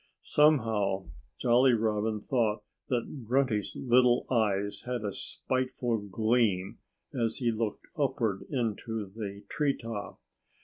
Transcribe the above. Somehow Jolly Robin thought that Grunty's little eyes had a spiteful gleam as he looked upward into the tree top.